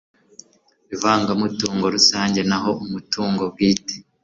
ivangamutungo rusange naho umutungo bwite